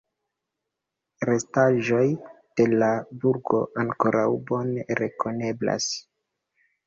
Restaĵoj de la burgo ankoraŭ bone rekoneblas.